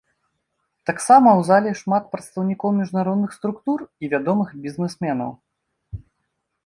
Таксама ў зале шмат прадстаўнікоў міжнародных структур і вядомых бізнесменаў.